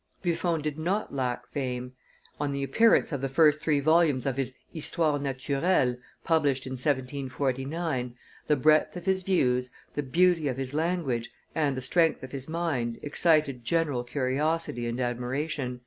Buffon did not lack fame; on the appearance of the first three volumes of his "Histoire naturelle," published in 1749, the breadth of his views, the beauty of his language, and the strength of his mind excited general curiosity and admiration.